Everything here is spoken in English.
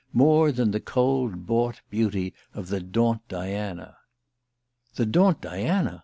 more than the cold bought beauty of the Daunt Diana..." "The Daunt Diana!"